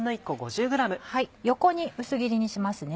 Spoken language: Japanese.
横に薄切りにしますね。